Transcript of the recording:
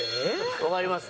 わかります？